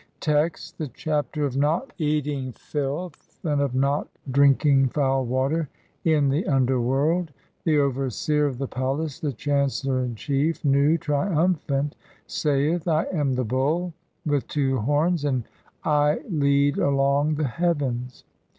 Text : (1) THE CHAPTER OF NOT EATING FILTH AND OF NOT DRINKING FOUL WATER IN THE UNDERWORLD. The Overseer of the palace, the chancellor in chief, Nu, triumphant, saith :— "I am the Bull with two horns, and [I] lead (2) along the "heavens.